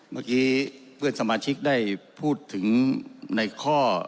เมื่อกี้เพื่อนสมาชิกได้พูดถึงในข้อ